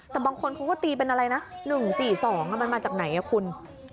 แต่บางคนเขาก็ตีเป็นอะไรนะ๑๔๒มันมาจากไหนคุณ